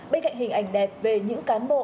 bên cạnh hình ảnh đẹp về những cán bộ